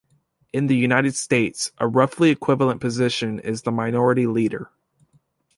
In the United States, a roughly equivalent position is the minority leader.